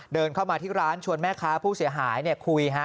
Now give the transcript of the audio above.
เดินเข้ามาที่ร้านชวนแม่ค้าผู้เสียหายคุย